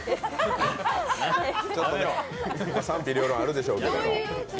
賛否両論あるでしょうけど。